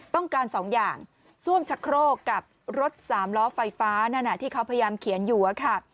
ต้องการสองอย่างซ่วมชะโครกกับรถสามล้อไฟฟ้าที่เขาพยายามเขียนอยู่